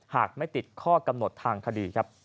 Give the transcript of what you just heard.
หากไม่ติดข้อกำหนดทางคดีครับ